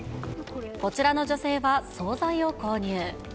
こちらの女性は総菜を購入。